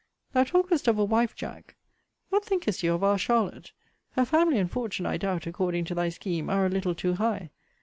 Thou talkest of a wife, Jack: What thinkest you of our Charlotte? Her family and fortune, I doubt, according to thy scheme, are a little too high.